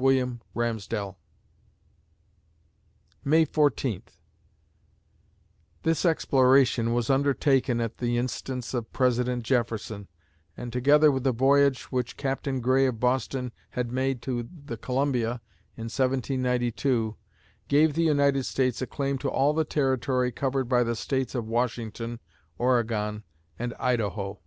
Wm. Ramsdell)_ May Fourteenth [This exploration] was undertaken at the instance of President Jefferson, and together with the voyage which Captain Gray of Boston had made to the Columbia, in 1792, gave the United States a claim to all the territory covered by the States of Washington, Oregon, and Idaho.